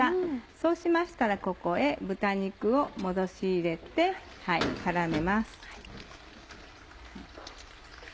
そうしましたらここへ豚肉を戻し入れて絡めます。